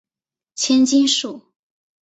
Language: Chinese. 千筋树